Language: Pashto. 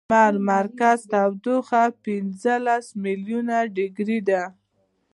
د لمر مرکز تودوخه پنځلس ملیونه ډګري ده.